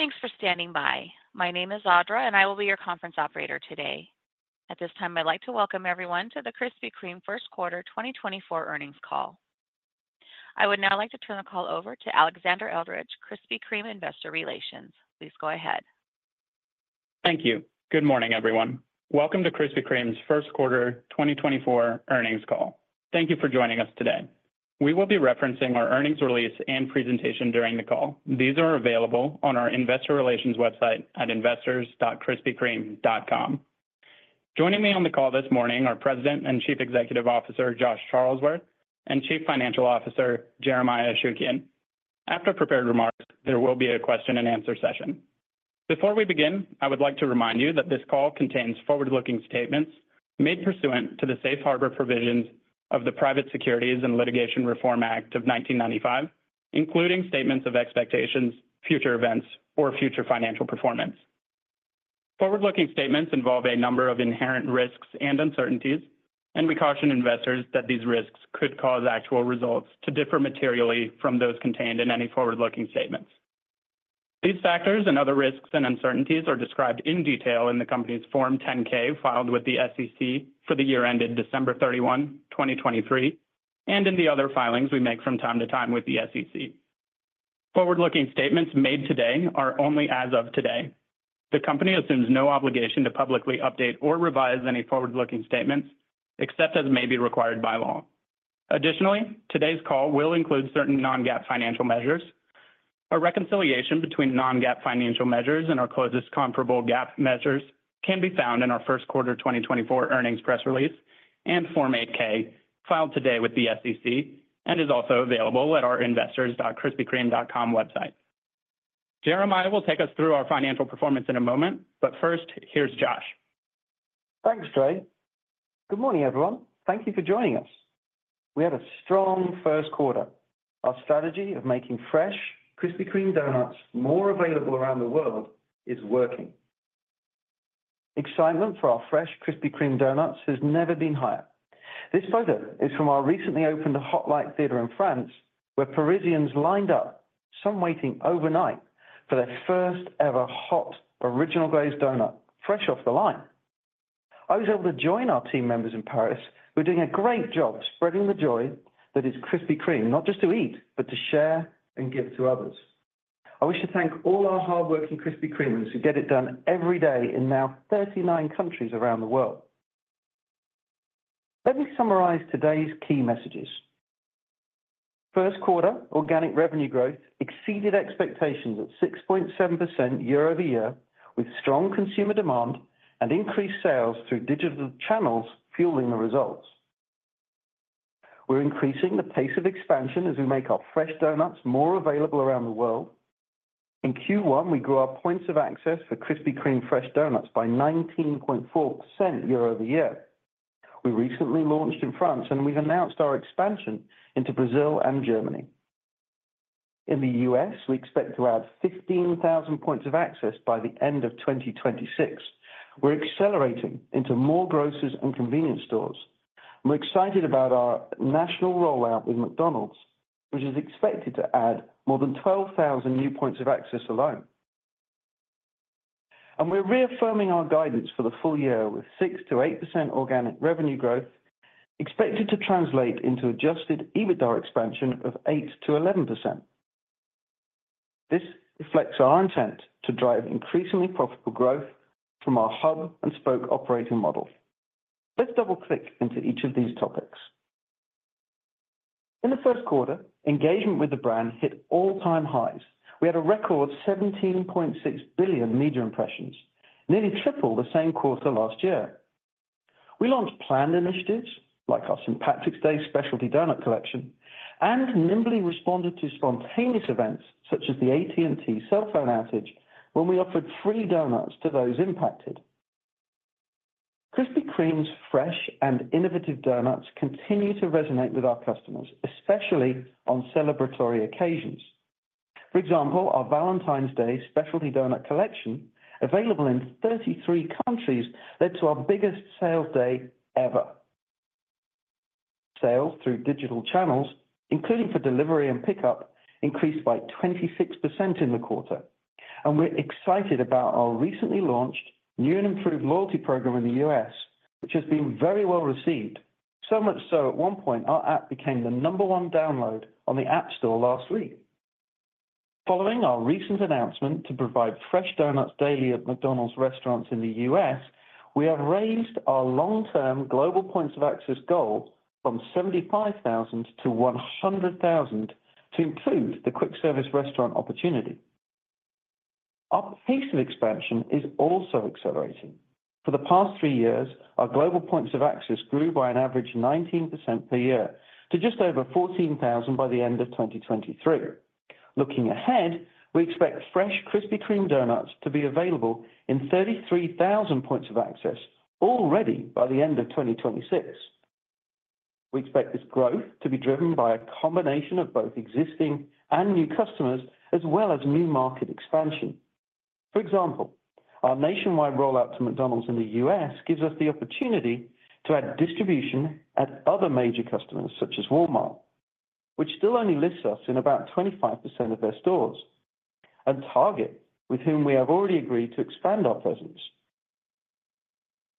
Thanks for standing by. My name is Audra, and I will be your conference operator today. At this time, I'd like to welcome everyone to the Krispy Kreme First Quarter 2024 earnings call. I would now like to turn the call over to Alexandre Eldredge, Krispy Kreme Investor Relations. Please go ahead. Thank you. Good morning, everyone. Welcome to Krispy Kreme's First Quarter 2024 earnings call. Thank you for joining us today. We will be referencing our earnings release and presentation during the call. These are available on our Investor Relations website at investors.krispykreme.com. Joining me on the call this morning are President and Chief Executive Officer Josh Charlesworth and Chief Financial Officer Jeremiah Ashukian. After prepared remarks, there will be a question-and-answer session. Before we begin, I would like to remind you that this call contains forward-looking statements made pursuant to the Safe Harbor provisions of the Private Securities Litigation Reform Act of 1995, including statements of expectations, future events, or future financial performance. Forward-looking statements involve a number of inherent risks and uncertainties, and we caution investors that these risks could cause actual results to differ materially from those contained in any forward-looking statements. These factors and other risks and uncertainties are described in detail in the company's Form 10-K filed with the SEC for the year ended December 31, 2023, and in the other filings we make from time to time with the SEC. Forward-looking statements made today are only as of today. The company assumes no obligation to publicly update or revise any forward-looking statements except as may be required by law. Additionally, today's call will include certain non-GAAP financial measures. A reconciliation between non-GAAP financial measures and our closest comparable GAAP measures can be found in our First Quarter 2024 earnings press release and Form 8-K filed today with the SEC and is also available at our investors.krispykreme.com website. Jeremiah will take us through our financial performance in a moment, but first, here's Josh. Thanks, Jay. Good morning, everyone. Thank you for joining us. We had a strong first quarter. Our strategy of making fresh Krispy Kreme doughnuts more available around the world is working. Excitement for our fresh Krispy Kreme doughnuts has never been higher. This photo is from our recently opened Hot Light Theatre in France, where Parisians lined up, some waiting overnight, for their first-ever hot Original Glazed Doughnut, fresh off the line. I was able to join our team members in Paris who are doing a great job spreading the joy that is Krispy Kreme, not just to eat, but to share and give to others. I wish to thank all our hardworking Krispy Kremers who get it done every day in now 39 countries around the world. Let me summarize today's key messages. First quarter, organic revenue growth exceeded expectations at 6.7% year-over-year, with strong consumer demand and increased sales through digital channels fueling the results. We're increasing the pace of expansion as we make our fresh doughnuts more available around the world. In Q1, we grew our points of access for Krispy Kreme fresh doughnuts by 19.4% year-over-year. We recently launched in France, and we've announced our expansion into Brazil and Germany. In the U.S., we expect to add 15,000 points of access by the end of 2026. We're accelerating into more groceries and convenience stores. We're excited about our national rollout with McDonald's, which is expected to add more than 12,000 new points of access alone. We're reaffirming our guidance for the full year with 6%-8% organic revenue growth expected to translate into Adjusted EBITDA expansion of 8%-11%. This reflects our intent to drive increasingly profitable growth from our Hub and Spoke operating model. Let's double-click into each of these topics. In the first quarter, engagement with the brand hit all-time highs. We had a record 17.6 billion media impressions, nearly triple the same quarter last year. We launched planned initiatives like our St. Patrick's Day Collection and nimbly responded to spontaneous events such as the AT&T cell phone outage when we offered free doughnuts to those impacted. Krispy Kreme's fresh and innovative doughnuts continue to resonate with our customers, especially on celebratory occasions. For example, our Valentine's Day Collection available in 33 countries led to our biggest sales day ever. Sales through digital channels, including for delivery and pickup, increased by 26% in the quarter. We're excited about our recently launched new and improved loyalty program in the U.S., which has been very well received, so much so at one point our app became the number 1 download on the App Store last week. Following our recent announcement to provide fresh doughnuts daily at McDonald's restaurants in the U.S., we have raised our long-term global points of access goal from 75,000 to 100,000 to include the quick service restaurant opportunity. Our pace of expansion is also accelerating. For the past three years, our global points of access grew by an average 19% per year to just over 14,000 by the end of 2023. Looking ahead, we expect fresh Krispy Kreme doughnuts to be available in 33,000 points of access already by the end of 2026. We expect this growth to be driven by a combination of both existing and new customers, as well as new market expansion. For example, our nationwide rollout to McDonald's in the U.S. gives us the opportunity to add distribution at other major customers such as Walmart, which still only lists us in about 25% of their stores, and Target, with whom we have already agreed to expand our presence.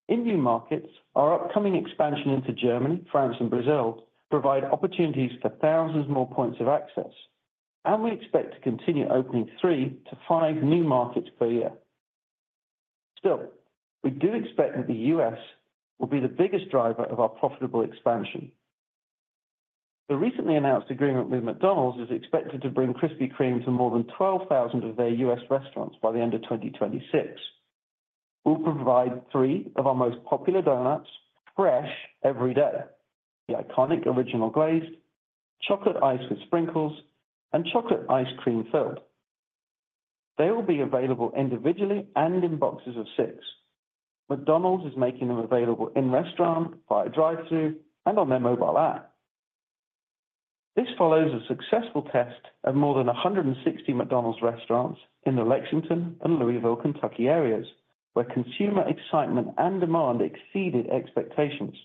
In new markets, our upcoming expansion into Germany, France, and Brazil provides opportunities for thousands more points of access. We expect to continue opening three to five new markets per year. Still, we do expect that the U.S. will be the biggest driver of our profitable expansion. The recently announced agreement with McDonald's is expected to bring Krispy Kreme to more than 12,000 of their U.S. restaurants by the end of 2026. We'll provide three of our most popular doughnuts fresh every day: the iconic Original Glazed, Chocolate Iced with Sprinkles, and Chocolate Iced Kreme Filled. They will be available individually and in boxes of six. McDonald's is making them available in restaurant via drive-thru and on their mobile app. This follows a successful test of more than 160 McDonald's restaurants in the Lexington and Louisville, Kentucky areas, where consumer excitement and demand exceeded expectations.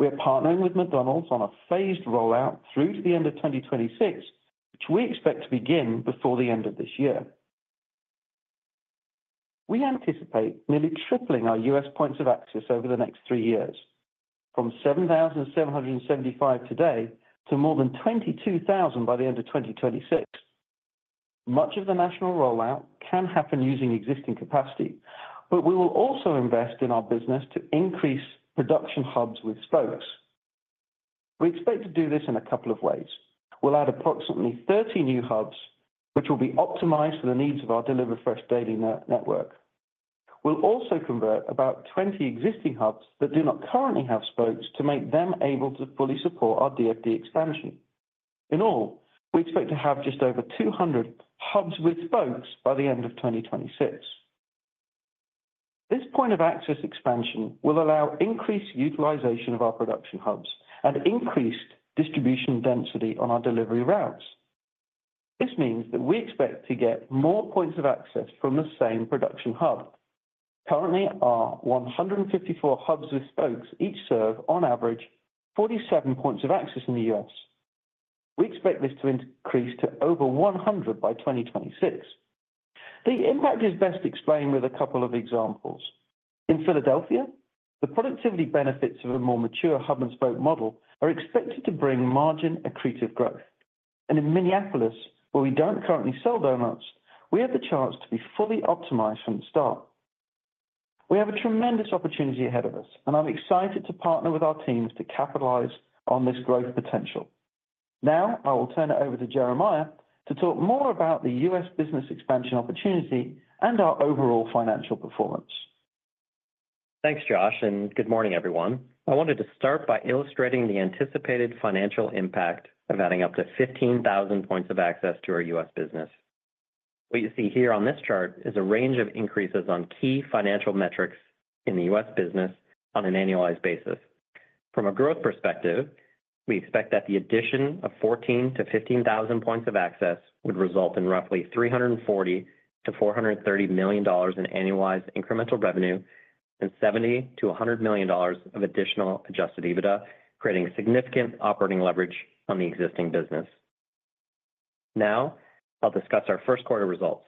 We are partnering with McDonald's on a phased rollout through to the end of 2026, which we expect to begin before the end of this year. We anticipate nearly tripling our U.S. points of access over the next three years, from 7,775 today to more than 22,000 by the end of 2026. Much of the national rollout can happen using existing capacity, but we will also invest in our business to increase production hubs with spokes. We expect to do this in a couple of ways. We'll add approximately 30 new hubs, which will be optimized for the needs of our deliver-fresh daily network. We'll also convert about 20 existing hubs that do not currently have spokes to make them able to fully support our DFD expansion. In all, we expect to have just over 200 hubs with spokes by the end of 2026. This point of access expansion will allow increased utilization of our production hubs and increased distribution density on our delivery routes. This means that we expect to get more points of access from the same production hub. Currently, our 154 hubs with spokes each serve, on average, 47 points of access in the U.S. We expect this to increase to over 100 by 2026. The impact is best explained with a couple of examples. In Philadelphia, the productivity benefits of a more mature hub-and-spoke model are expected to bring margin accretive growth. In Minneapolis, where we don't currently sell doughnuts, we have the chance to be fully optimized from the start. We have a tremendous opportunity ahead of us, and I'm excited to partner with our teams to capitalize on this growth potential. Now, I will turn it over to Jeremiah to talk more about the U.S. business expansion opportunity and our overall financial performance. Thanks, Josh, and good morning, everyone. I wanted to start by illustrating the anticipated financial impact of adding up to 15,000 points of access to our U.S. business. What you see here on this chart is a range of increases on key financial metrics in the U.S. business on an annualized basis. From a growth perspective, we expect that the addition of 14,000-15,000 points of access would result in roughly $340 million-$430 million in annualized incremental revenue and $70 million-$100 million of additional Adjusted EBITDA, creating significant operating leverage on the existing business. Now, I'll discuss our first quarter results.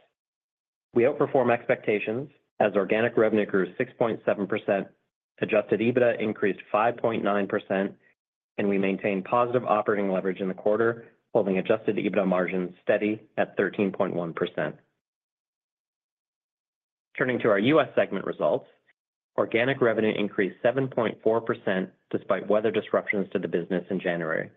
We outperform expectations as organic revenue grew 6.7%, Adjusted EBITDA increased 5.9%, and we maintain positive operating leverage in the quarter, holding Adjusted EBITDA margins steady at 13.1%. Turning to our U.S. segment results. Organic revenue increased 7.4% despite weather disruptions to the business in January.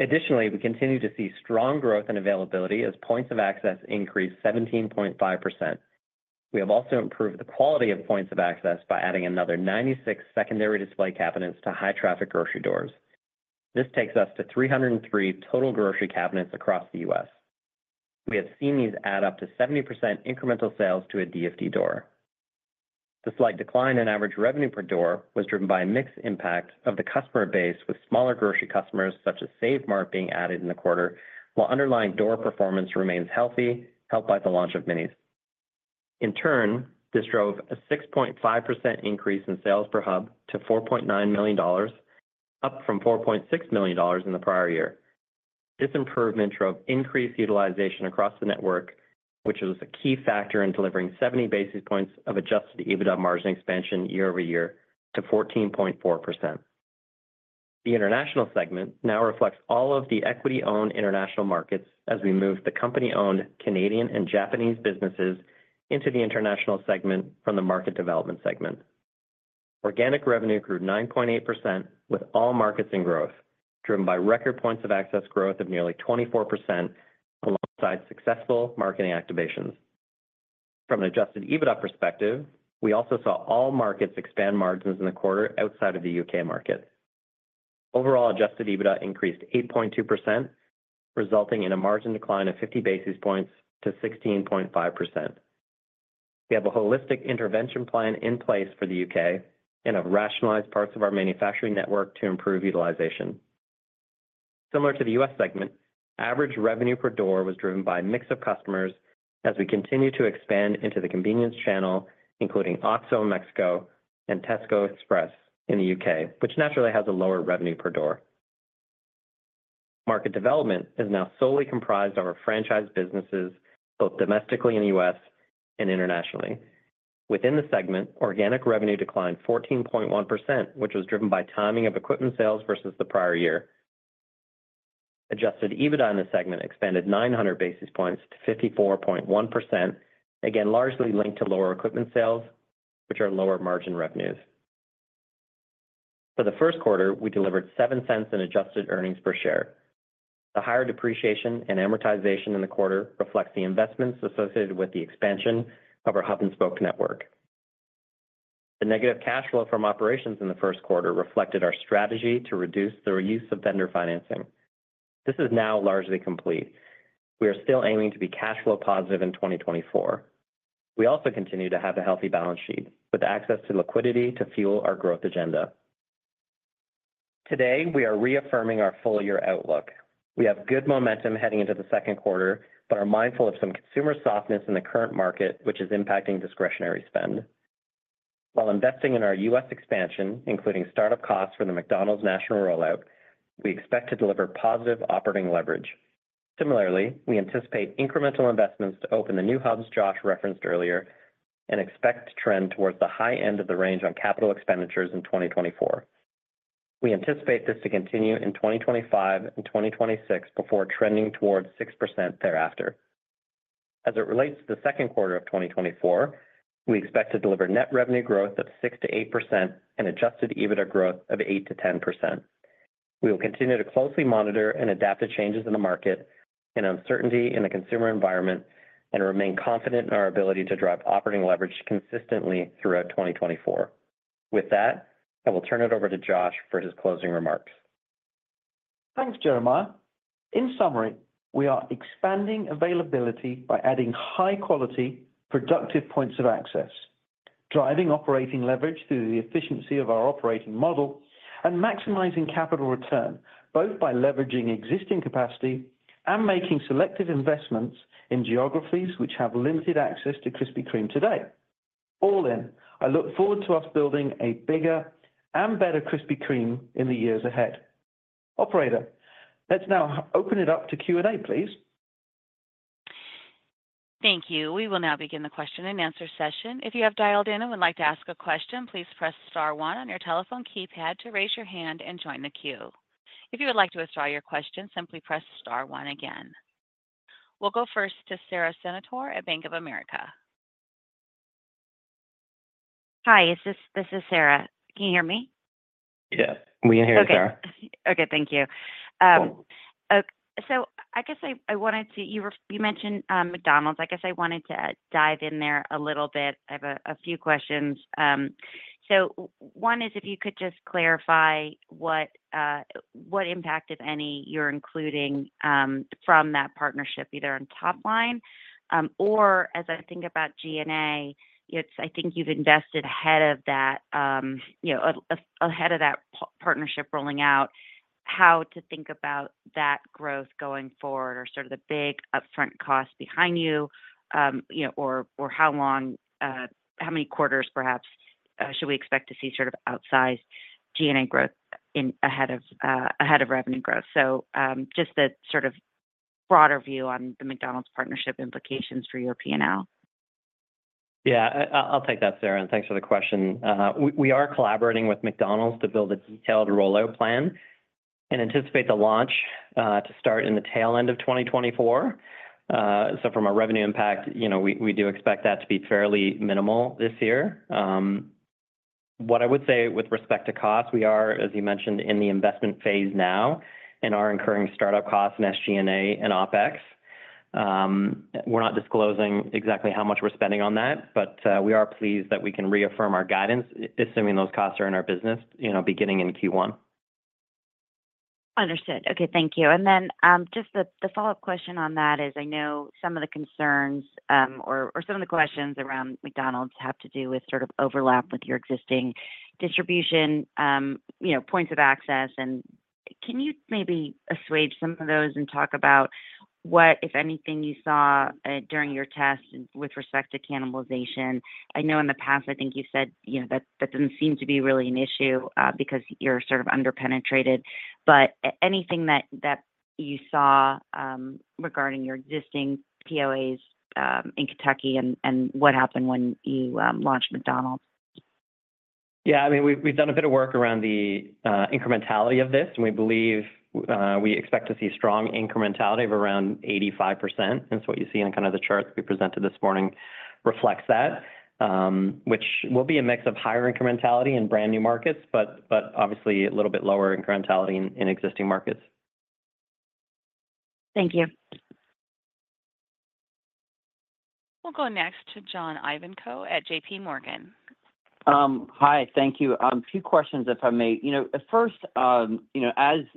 Additionally, we continue to see strong growth in availability as points of access increased 17.5%. We have also improved the quality of points of access by adding another 96 secondary display cabinets to high-traffic grocery doors. This takes us to 303 total grocery cabinets across the U.S. We have seen these add up to 70% incremental sales to a DFD door. The slight decline in average revenue per door was driven by a mixed impact of the customer base with smaller grocery customers such as Save Mart being added in the quarter, while underlying door performance remains healthy, helped by the launch of Minis. In turn, this drove a 6.5% increase in sales per hub to $4.9 million, up from $4.6 million in the prior year. This improvement drove increased utilization across the network, which was a key factor in delivering 70 basis points of Adjusted EBITDA margin expansion year-over-year to 14.4%. The international segment now reflects all of the equity-owned international markets as we move the company-owned Canadian and Japanese businesses into the international segment from the market development segment. Organic revenue grew 9.8% with all markets in growth, driven by record points of access growth of nearly 24% alongside successful marketing activations. From an Adjusted EBITDA perspective, we also saw all markets expand margins in the quarter outside of the U.K. market. Overall, Adjusted EBITDA increased 8.2%, resulting in a margin decline of 50 basis points to 16.5%. We have a holistic intervention plan in place for the U.K. and have rationalized parts of our manufacturing network to improve utilization. Similar to the U.S. segment, average revenue per door was driven by a mix of customers as we continue to expand into the convenience channel, including OXXO Mexico and Tesco Express in the U.K., which naturally has a lower revenue per door. Market development is now solely comprised of our franchise businesses, both domestically in the U.S. and internationally. Within the segment, organic revenue declined 14.1%, which was driven by timing of equipment sales versus the prior year. Adjusted EBITDA in the segment expanded 900 basis points to 54.1%, again largely linked to lower equipment sales, which are lower margin revenues. For the first quarter, we delivered $0.07 in adjusted earnings per share. The higher depreciation and amortization in the quarter reflects the investments associated with the expansion of our hub-and-spoke network. The negative cash flow from operations in the first quarter reflected our strategy to reduce the reuse of vendor financing. This is now largely complete. We are still aiming to be cash flow positive in 2024. We also continue to have a healthy balance sheet with access to liquidity to fuel our growth agenda. Today, we are reaffirming our full year outlook. We have good momentum heading into the second quarter, but are mindful of some consumer softness in the current market, which is impacting discretionary spend. While investing in our U.S. expansion, including startup costs for the McDonald's national rollout, we expect to deliver positive operating leverage. Similarly, we anticipate incremental investments to open the new hubs Josh referenced earlier and expect to trend towards the high end of the range on capital expenditures in 2024. We anticipate this to continue in 2025 and 2026 before trending towards 6% thereafter. As it relates to the second quarter of 2024, we expect to deliver net revenue growth of 6%-8% and Adjusted EBITDA growth of 8%-10%. We will continue to closely monitor and adapt to changes in the market and uncertainty in the consumer environment and remain confident in our ability to drive operating leverage consistently throughout 2024. With that, I will turn it over to Josh for his closing remarks. Thanks, Jeremiah. In summary, we are expanding availability by adding high-quality, productive points of access, driving operating leverage through the efficiency of our operating model, and maximizing capital return both by leveraging existing capacity and making selective investments in geographies which have limited access to Krispy Kreme today. All in, I look forward to us building a bigger and better Krispy Kreme in the years ahead. Operator, let's now open it up to Q&A, please. Thank you. We will now begin the question and answer session. If you have dialed in and would like to ask a question, please press star one on your telephone keypad to raise your hand and join the queue. If you would like to withdraw your question, simply press star one again. We'll go first to Sara Senatore at Bank of America. Hi, this is Sara. Can you hear me? Yeah, we can hear you, Sara. Okay, thank you. So I guess I wanted to—you mentioned McDonald's. I guess I wanted to dive in there a little bit. I have a few questions. So one is if you could just clarify what impact, if any, you're including from that partnership, either on top line or as I think about G&A, I think you've invested ahead of that, ahead of that partnership rolling out, how to think about that growth going forward or sort of the big upfront costs behind you or how long, how many quarters perhaps should we expect to see sort of outsized G&A growth ahead of revenue growth? So just the sort of broader view on the McDonald's partnership implications for your P&L. Yeah, I'll take that, Sara, and thanks for the question. We are collaborating with McDonald's to build a detailed rollout plan and anticipate the launch to start in the tail end of 2024. So from a revenue impact, we do expect that to be fairly minimal this year. What I would say with respect to cost, we are, as you mentioned, in the investment phase now in our incurring startup costs in SG&A and OpEx. We're not disclosing exactly how much we're spending on that, but we are pleased that we can reaffirm our guidance, assuming those costs are in our business beginning in Q1. Understood. Okay, thank you. Then just the follow-up question on that is I know some of the concerns or some of the questions around McDonald's have to do with sort of overlap with your existing distribution points of access. Can you maybe assuage some of those and talk about what, if anything, you saw during your test with respect to cannibalization? I know in the past, I think you've said that doesn't seem to be really an issue because you're sort of underpenetrated. Anything that you saw regarding your existing POAs in Kentucky and what happened when you launched McDonald's? Yeah, I mean, we've done a bit of work around the incrementality of this, and we believe we expect to see strong incrementality of around 85%. And so what you see in kind of the charts we presented this morning reflects that, which will be a mix of higher incrementality in brand new markets, but obviously a little bit lower incrementality in existing markets. Thank you. We'll go next to John Ivankoe at J.P. Morgan. Hi, thank you. A few questions, if I may. First, as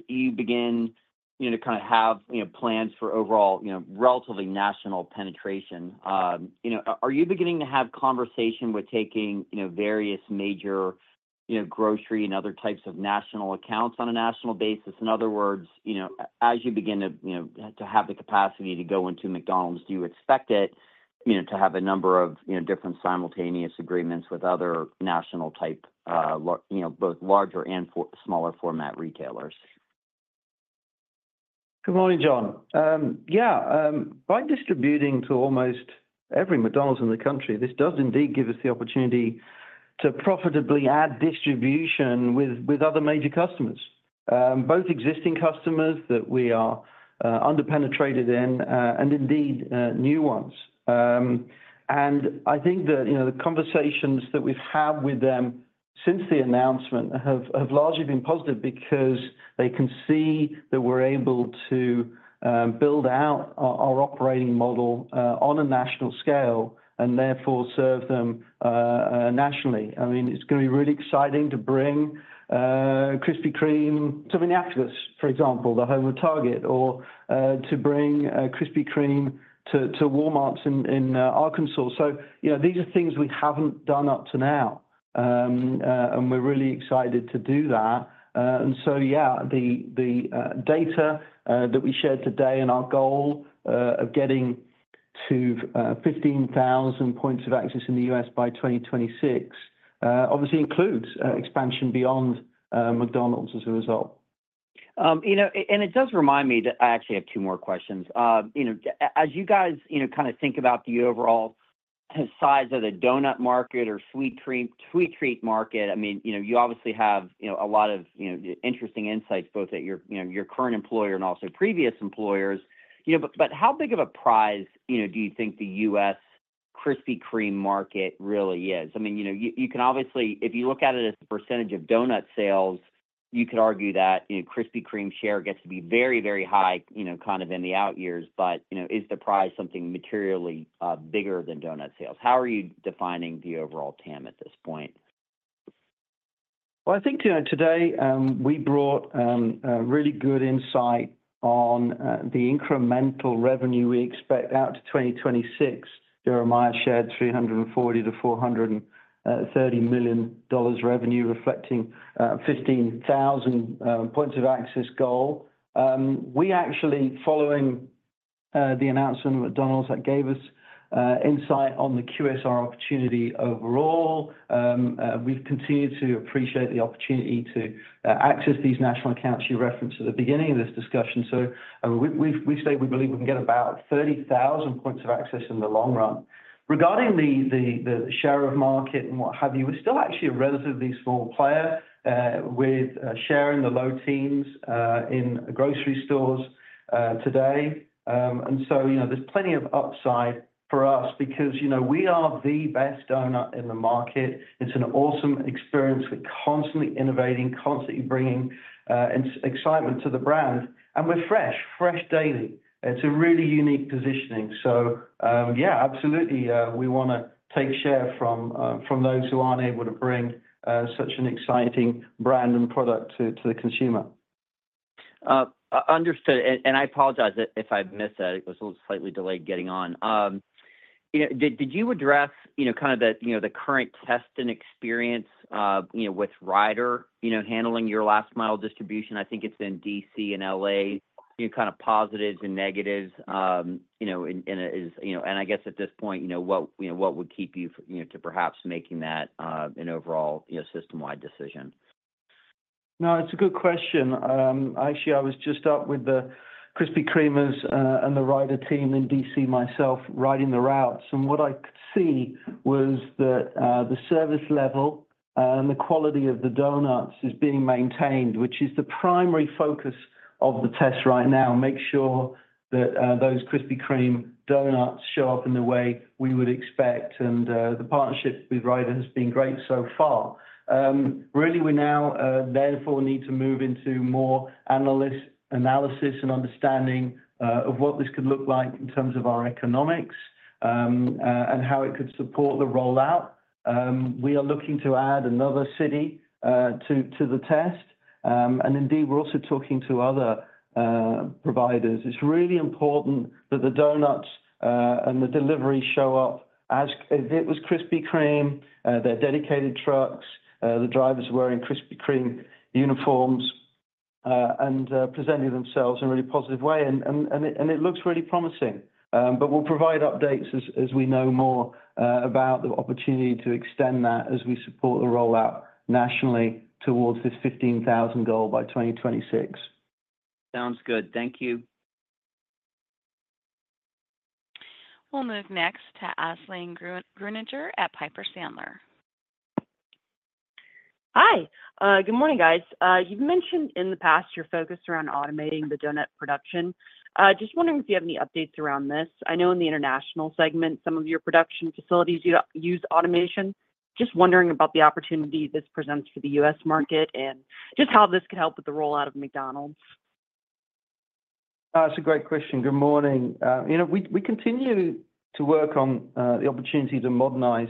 you begin to kind of have plans for overall relatively national penetration, are you beginning to have conversation with taking various major grocery and other types of national accounts on a national basis? In other words, as you begin to have the capacity to go into McDonald's, do you expect it to have a number of different simultaneous agreements with other national-type, both larger and smaller format retailers? Good morning, John. Yeah, by distributing to almost every McDonald's in the country, this does indeed give us the opportunity to profitably add distribution with other major customers, both existing customers that we are underpenetrated in and indeed new ones. I think that the conversations that we've had with them since the announcement have largely been positive because they can see that we're able to build out our operating model on a national scale and therefore serve them nationally. I mean, it's going to be really exciting to bring Krispy Kreme to Minneapolis, for example, the home of Target, or to bring Krispy Kreme to Walmart's in Arkansas. These are things we haven't done up to now. We're really excited to do that. And so, yeah, the data that we shared today and our goal of getting to 15,000 points of access in the U.S. by 2026 obviously includes expansion beyond McDonald's as a result. It does remind me that I actually have two more questions. As you guys kind of think about the overall size of the doughnut market or sweet treat market, I mean, you obviously have a lot of interesting insights both at your current employer and also previous employers. But how big of a prize do you think the U.S. Krispy Kreme market really is? I mean, you can obviously, if you look at it as a percentage of doughnut sales, you could argue that Krispy Kreme share gets to be very, very high kind of in the out years, but is the prize something materially bigger than doughnut sales? How are you defining the overall TAM at this point? Well, I think today we brought really good insight on the incremental revenue we expect out to 2026. Jeremiah shared $340 million-$430 million revenue reflecting 15,000 points of access goal. We actually, following the announcement of McDonald's, that gave us insight on the QSR opportunity overall. We've continued to appreciate the opportunity to access these national accounts you referenced at the beginning of this discussion. So we say we believe we can get about 30,000 points of access in the long run. Regarding the share of market and what have you, we're still actually a relatively small player with share in the low teens in grocery stores today. And so there's plenty of upside for us because we are the best doughnut in the market. It's an awesome experience. We're constantly innovating, constantly bringing excitement to the brand. And we're fresh, fresh daily. It's a really unique positioning. So yeah, absolutely, we want to take share from those who aren't able to bring such an exciting brand and product to the consumer. Understood. I apologize if I missed that. It was a little slightly delayed getting on. Did you address kind of the current test and experience with Ryder handling your last mile distribution? I think it's in D.C. and L.A., kind of positives and negatives. And I guess at this point, what would keep you from perhaps making that an overall system-wide decision? No, it's a good question. Actually, I was just up with the Krispy Kremers and the Ryder team in D.C. myself riding the routes. And what I could see was that the service level and the quality of the doughnuts is being maintained, which is the primary focus of the test right now, make sure that those Krispy Kreme doughnuts show up in the way we would expect. And the partnership with Ryder has been great so far. Really, we now therefore need to move into more analysis and understanding of what this could look like in terms of our economics and how it could support the rollout. We are looking to add another city to the test. And indeed, we're also talking to other providers. It's really important that the doughnuts and the delivery show up as if it was Krispy Kreme, their dedicated trucks, the drivers wearing Krispy Kreme uniforms and presenting themselves in a really positive way. And it looks really promising. But we'll provide updates as we know more about the opportunity to extend that as we support the rollout nationally towards this 15,000 goal by 2026. Sounds good. Thank you. We'll move next to Aisling Grueninger at Piper Sandler. Hi. Good morning, guys. You've mentioned in the past your focus around automating the doughnut production. Just wondering if you have any updates around this. I know in the international segment, some of your production facilities use automation. Just wondering about the opportunity this presents for the U.S. market and just how this could help with the rollout of McDonald's. That's a great question. Good morning. We continue to work on the opportunity to modernize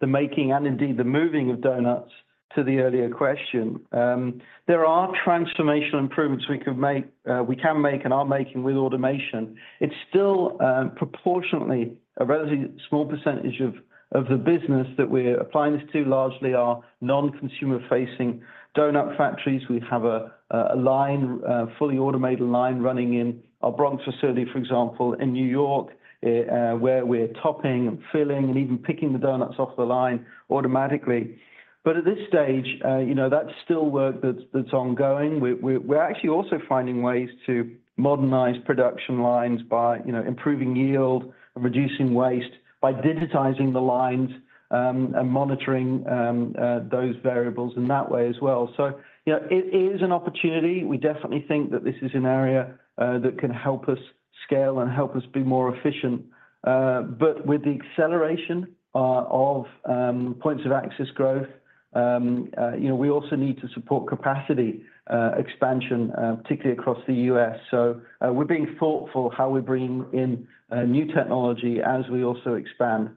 the making and indeed the moving of doughnuts. To the earlier question, there are transformational improvements we can make and are making with automation. It's still proportionately a relatively small percentage of the business that we're applying this to, largely our non-consumer-facing doughnut factories. We have a fully automated line running in our Bronx facility, for example, in New York, where we're topping and filling and even picking the doughnuts off the line automatically. But at this stage, that's still work that's ongoing. We're actually also finding ways to modernize production lines by improving yield and reducing waste, by digitizing the lines and monitoring those variables in that way as well. So it is an opportunity. We definitely think that this is an area that can help us scale and help us be more efficient. But with the acceleration of points of access growth, we also need to support capacity expansion, particularly across the U.S. So we're being thoughtful how we bring in new technology as we also expand.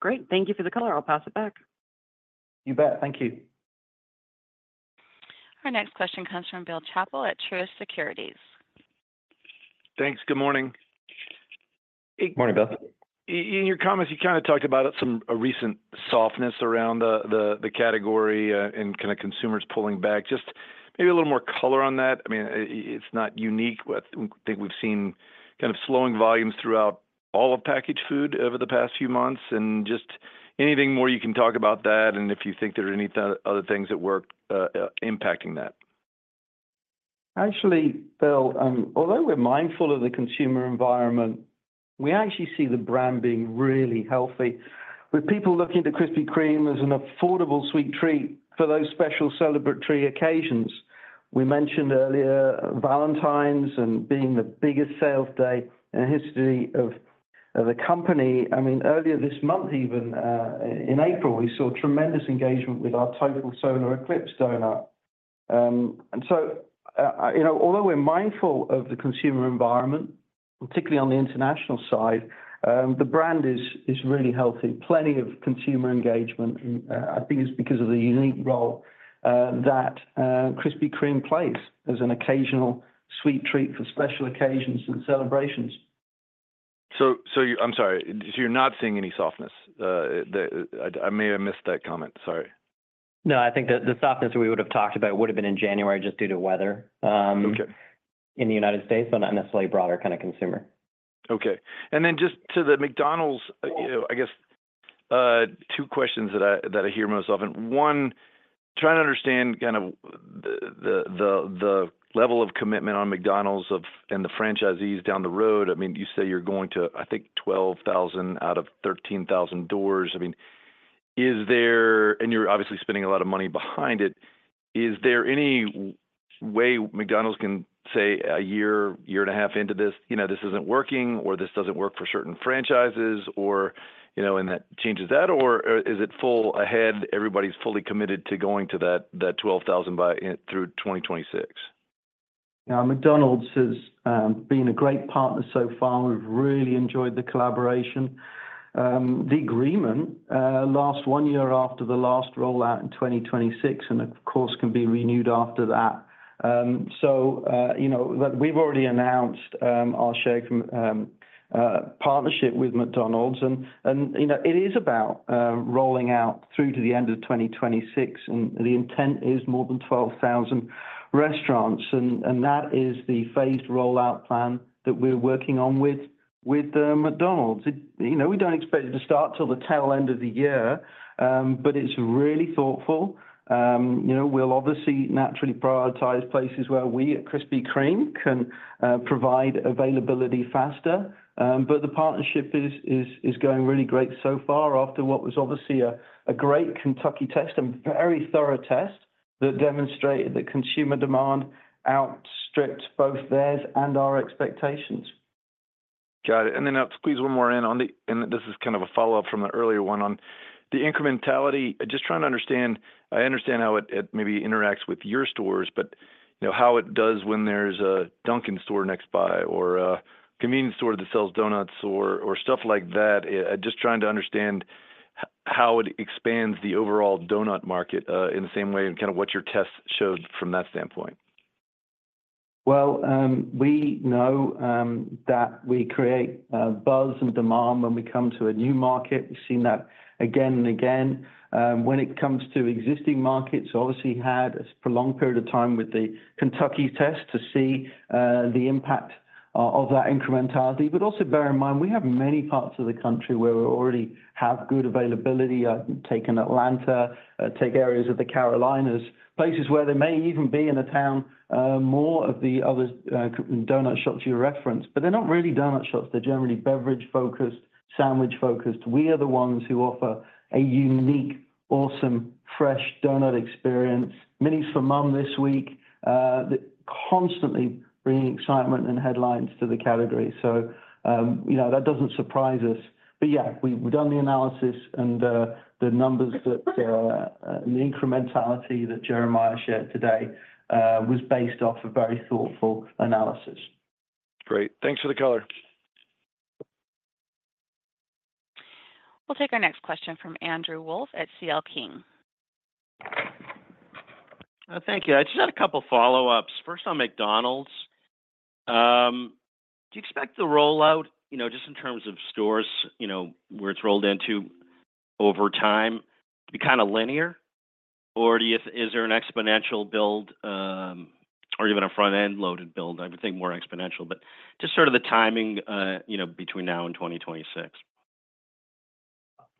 Great. Thank you for the color. I'll pass it back. You bet. Thank you. Our next question comes from Bill Chappell at Truist Securities. Thanks. Good morning. Good morning, Bill. In your comments, you kind of talked about some recent softness around the category and kind of consumers pulling back. Just maybe a little more color on that. I mean, it's not unique. I think we've seen kind of slowing volumes throughout all of packaged food over the past few months. Just anything more you can talk about that and if you think there are any other things that work impacting that? Actually, Bill, although we're mindful of the consumer environment, we actually see the brand being really healthy. With people looking to Krispy Kreme as an affordable sweet treat for those special celebratory occasions, we mentioned earlier Valentine's and being the biggest sales day in the history of the company. I mean, earlier this month, even in April, we saw tremendous engagement with our Total Solar Eclipse Doughnut. And so although we're mindful of the consumer environment, particularly on the international side, the brand is really healthy. Plenty of consumer engagement, I think, is because of the unique role that Krispy Kreme plays as an occasional sweet treat for special occasions and celebrations. I'm sorry. So you're not seeing any softness? I may have missed that comment. Sorry. No, I think that the softness that we would have talked about would have been in January just due to weather in the United States, but not necessarily broader kind of consumer. Okay. Then just to the McDonald's, I guess, two questions that I hear most often. One, trying to understand kind of the level of commitment on McDonald's and the franchisees down the road. I mean, you say you're going to, I think, 12,000 out of 13,000 doors. I mean, is there, and you're obviously spending a lot of money behind it, is there any way McDonald's can say a year, year and a half into this, this isn't working or this doesn't work for certain franchises or and that changes that, or is it full ahead? Everybody's fully committed to going to that 12,000 through 2026? Now, McDonald's has been a great partner so far. We've really enjoyed the collaboration. The agreement lasts one year after the last rollout in 2026 and, of course, can be renewed after that. We've already announced our shared partnership with McDonald's. It is about rolling out through to the end of 2026. The intent is more than 12,000 restaurants. That is the phased rollout plan that we're working on with McDonald's. We don't expect it to start till the tail end of the year. It's really thoughtful. We'll obviously naturally prioritize places where we at Krispy Kreme can provide availability faster. The partnership is going really great so far after what was obviously a great Kentucky test and very thorough test that demonstrated that consumer demand outstripped both theirs and our expectations. Got it. And then I'll squeeze one more in, and this is kind of a follow-up from the earlier one on the incrementality. Just trying to understand, I understand how it maybe interacts with your stores, but how it does when there's a Dunkin' store nearby or a convenience store that sells doughnuts or stuff like that. Just trying to understand how it expands the overall doughnut market in the same way and kind of what your tests showed from that standpoint. Well, we know that we create buzz and demand when we come to a new market. We've seen that again and again. When it comes to existing markets, obviously had a prolonged period of time with the Kentucky test to see the impact of that incrementality. But also bear in mind, we have many parts of the country where we already have good availability. I take Atlanta, take areas of the Carolinas, places where there may even be in a town more of the other doughnut shops you reference, but they're not really doughnut shops. They're generally beverage-focused, sandwich-focused. We are the ones who offer a unique, awesome, fresh doughnut experience. Minis for Mom this week. Constantly bringing excitement and headlines to the category. So that doesn't surprise us. But yeah, we've done the analysis and the numbers, that, and the incrementality that Jeremiah shared today was based off a very thoughtful analysis. Great. Thanks for the color. We'll take our next question from Andrew Wolf at C.L. King. Thank you. I just had a couple of follow-ups. First on McDonald's. Do you expect the rollout, just in terms of stores where it's rolled into over time, to be kind of linear? Or is there an exponential build or even a front-end loaded build? I would think more exponential, but just sort of the timing between now and 2026.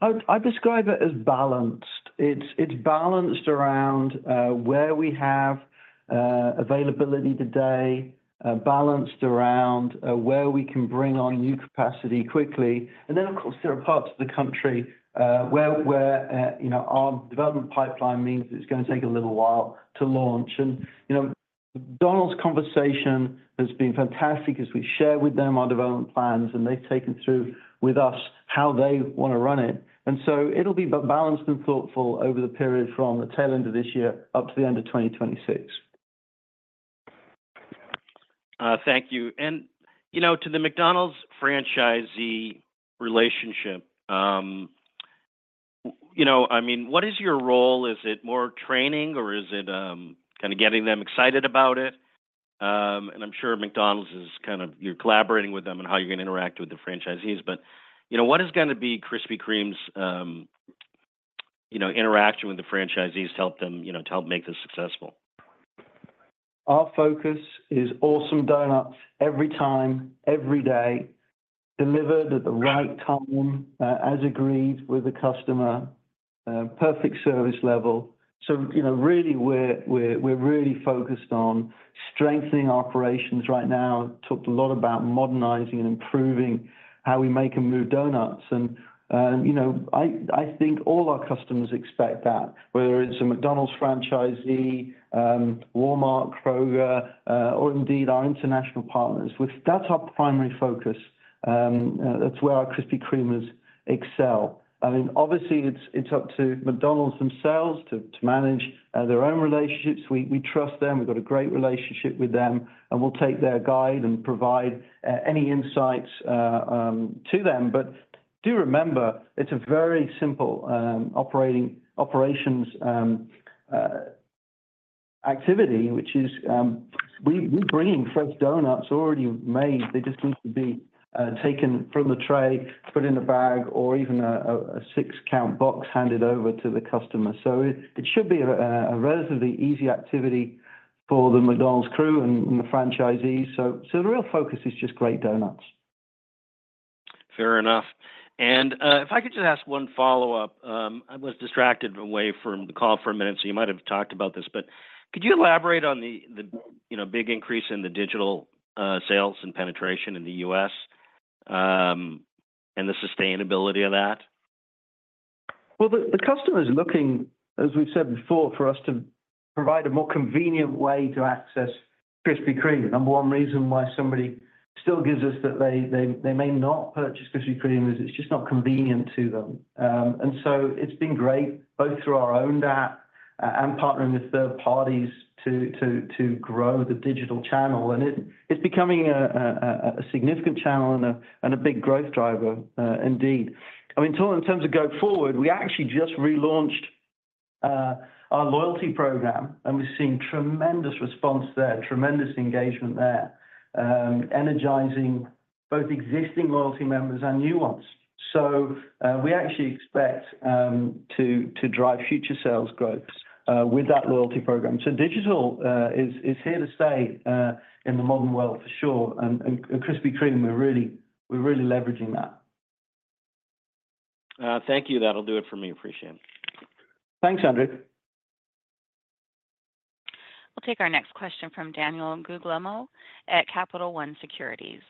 I'd describe it as balanced. It's balanced around where we have availability today, balanced around where we can bring on new capacity quickly. And then, of course, there are parts of the country where our development pipeline means that it's going to take a little while to launch. And the McDonald's conversation has been fantastic as we share with them our development plans, and they've taken through with us how they want to run it. And so it'll be balanced and thoughtful over the period from the tail end of this year up to the end of 2026. Thank you. And to the McDonald's franchisee relationship, I mean, what is your role? Is it more training or is it kind of getting them excited about it? And I'm sure McDonald's is kind of you're collaborating with them and how you're going to interact with the franchisees. But what is going to be Krispy Kreme's interaction with the franchisees to help them to help make this successful? Our focus is awesome doughnuts every time, every day, delivered at the right time as agreed with the customer. Perfect service level. Really, we're really focused on strengthening operations right now. Talked a lot about modernizing and improving how we make and move doughnuts. I think all our customers expect that, whether it's a McDonald's franchisee, Walmart, Kroger, or indeed our international partners. That's our primary focus. That's where our Krispy Kremers excel. I mean, obviously, it's up to McDonald's themselves to manage their own relationships. We trust them. We've got a great relationship with them, and we'll take their guide and provide any insights to them. Do remember, it's a very simple operations activity, which is we're bringing fresh doughnuts already made. They just need to be taken from the tray, put in a bag, or even a six-count box handed over to the customer. It should be a relatively easy activity for the McDonald's crew and the franchisees. So the real focus is just great doughnuts. Fair enough. If I could just ask one follow-up, I was distracted away from the call for a minute, so you might have talked about this, but could you elaborate on the big increase in the digital sales and penetration in the U.S. and the sustainability of that? Well, the customer is looking, as we've said before, for us to provide a more convenient way to access Krispy Kreme. The number one reason why somebody still gives us that they may not purchase Krispy Kreme is it's just not convenient to them. And so it's been great both through our own app and partnering with third parties to grow the digital channel. And it's becoming a significant channel and a big growth driver indeed. I mean, in terms of going forward, we actually just relaunched our loyalty program, and we're seeing tremendous response there, tremendous engagement there, energizing both existing loyalty members and new ones. So we actually expect to drive future sales growth with that loyalty program. So digital is here to stay in the modern world for sure. And Krispy Kreme, we're really leveraging that. Thank you. That'll do it for me. Appreciate it. Thanks, Andrew. We'll take our next question from Daniel Guglielmo at Capital One Securities.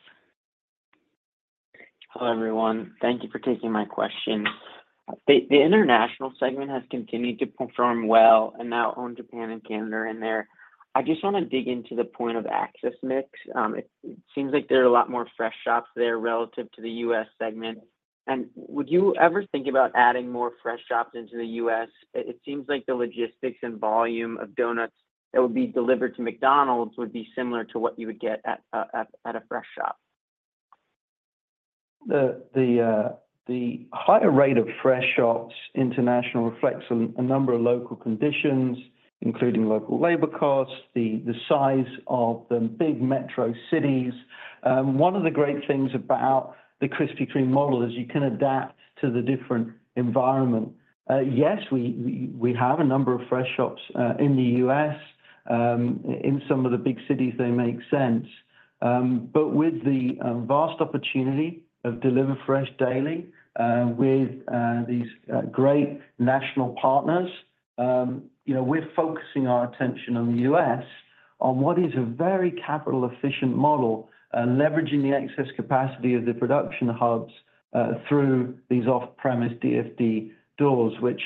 Hello, everyone. Thank you for taking my question. The international segment has continued to perform well and now own Japan and Canada in there. I just want to dig into the point of access mix. It seems like there are a lot more fresh shops there relative to the U.S. segment. Would you ever think about adding more fresh shops into the U.S.? It seems like the logistics and volume of doughnuts that would be delivered to McDonald's would be similar to what you would get at a fresh shop. The higher rate of fresh shops internationally reflects a number of local conditions, including local labor costs, the size of the big metro cities. One of the great things about the Krispy Kreme model is you can adapt to the different environment. Yes, we have a number of fresh shops in the U.S. In some of the big cities, they make sense. But with the vast opportunity of delivering fresh daily with these great national partners, we're focusing our attention on the U.S. on what is a very capital-efficient model, leveraging the excess capacity of the production hubs through these off-premise DFD doors, which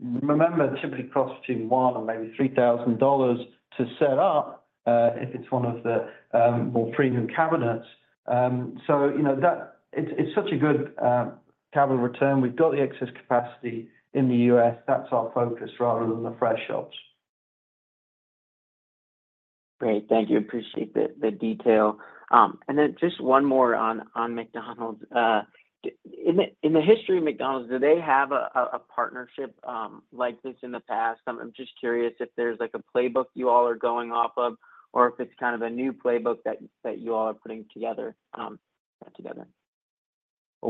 remember, typically cost between $1-$3,000 to set up if it's one of the more premium cabinets. So it's such a good capital return. We've got the excess capacity in the U.S. That's our focus rather than the fresh shops. Great. Thank you. Appreciate the detail. And then just one more on McDonald's. In the history of McDonald's, do they have a partnership like this in the past? I'm just curious if there's a playbook you all are going off of or if it's kind of a new playbook that you all are putting together? Well,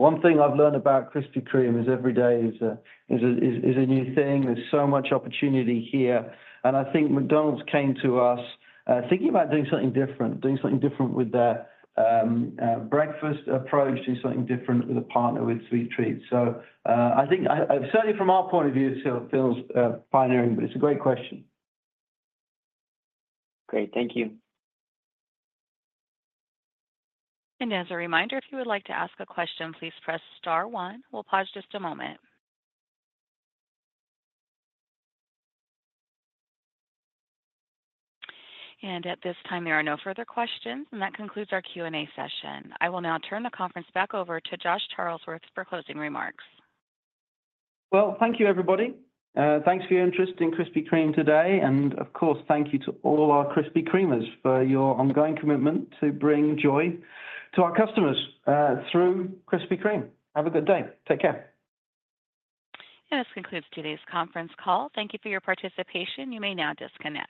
one thing I've learned about Krispy Kreme is every day is a new thing. There's so much opportunity here. And I think McDonald's came to us thinking about doing something different, doing something different with their breakfast approach, doing something different with a partner with Sweet Treats. So I think certainly from our point of view, it feels pioneering, but it's a great question. Great. Thank you. As a reminder, if you would like to ask a question, please press star one. We'll pause just a moment. At this time, there are no further questions, and that concludes our Q&A session. I will now turn the conference back over to Josh Charlesworth for closing remarks. Well, thank you, everybody. Thanks for your interest in Krispy Kreme today. Of course, thank you to all our Krispy Kremers for your ongoing commitment to bring joy to our customers through Krispy Kreme. Have a good day. Take care. This concludes today's conference call. Thank you for your participation. You may now disconnect.